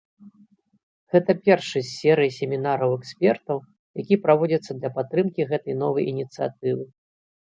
Гэта першы з серыі семінараў экспертаў, які праводзіцца для падтрымкі гэтай новай ініцыятывы.